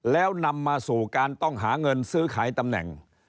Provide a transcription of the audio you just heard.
แล้วนำมาสู่การต้องหาเงินซื้อขายตำแหน่ง